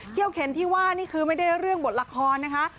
เข็นที่ว่านี่คือไม่ได้เรื่องบทละครนะคะ